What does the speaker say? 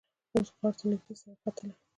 اوس غار ته نږدې سړک ختلی.